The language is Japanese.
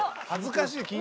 恥ずかしい。